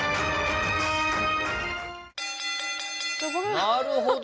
なるほど！